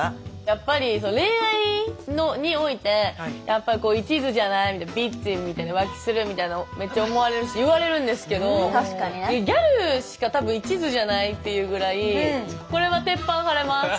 やっぱり恋愛においてやっぱりいちずじゃないみたいなビッチみたいな浮気するみたいなめっちゃ思われるし言われるんですけどギャルしか多分いちずじゃないっていうぐらいこれは鉄板張れます。